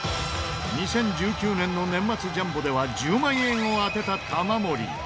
２０１９年の年末ジャンボでは１０万円を当てた玉森。